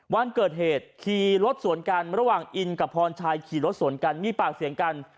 วันเกิดเหตุขี่รถสวนกันระหว่างอินกับพรชัยขี่รถสวนกันมีปากเสียงกัน